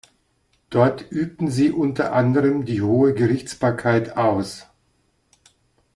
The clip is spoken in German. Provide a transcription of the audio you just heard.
Dort übten sie unter anderem die hohe Gerichtsbarkeit aus.